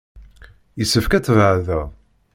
Yessefk ad tbeɛdeḍ.